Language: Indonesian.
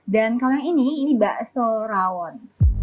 dan kali ini ini bakso rawon